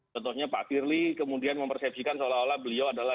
contohnya pak firly kemudian mempersepsikan seolah olah beliau adalah